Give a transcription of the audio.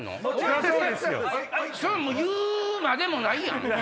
もう言うまでもないやん。